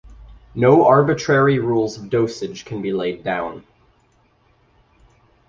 No arbitrary rules of dosage can be laid down.